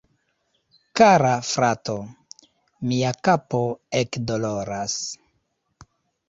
Kara frato, mia kapo ekdoloras